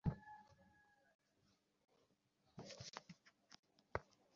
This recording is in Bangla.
তিনি অযোধ্যার নিকট সরিদ্বরা সরযূর জলে দেহ বিসর্জন করিয়া বৈকুণ্ঠে সীতার সহিত মিলিত হইলেন।